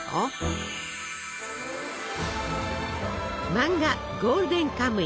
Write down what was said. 漫画「ゴールデンカムイ」。